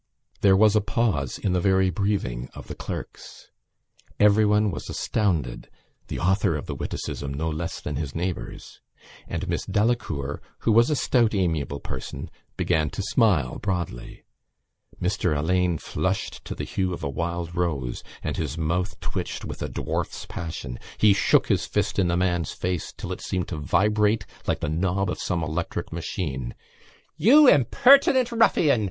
There was a pause in the very breathing of the clerks. Everyone was astounded (the author of the witticism no less than his neighbours) and Miss Delacour, who was a stout amiable person, began to smile broadly. Mr Alleyne flushed to the hue of a wild rose and his mouth twitched with a dwarf's passion. He shook his fist in the man's face till it seemed to vibrate like the knob of some electric machine: "You impertinent ruffian!